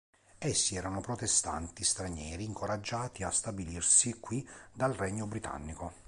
Essi erano protestanti stranieri incoraggiati a stabilirsi qui dal regno britannico.